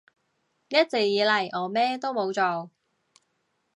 一直以嚟我咩都冇做